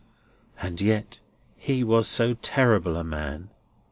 And yet he was so terrible a man!